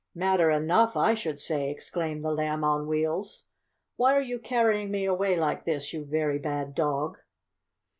Matter enough I should say!" exclaimed the Lamb on Wheels. "Why are you carrying me away like this, you very bad dog?"